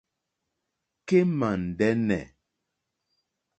Kémà ndɛ́nɛ̀.